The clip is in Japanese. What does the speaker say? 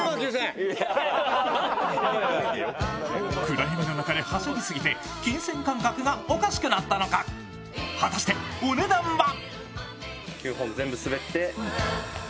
暗闇の中ではしゃぎすぎて金銭感覚がおかしくなったのか、果たしてお値段は？